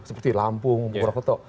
seperti lampung purwokerto